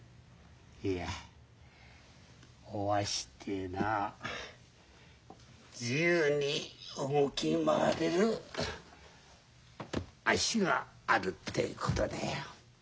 いやおアシっていうのは自由に動き回れる足があるってことだよ。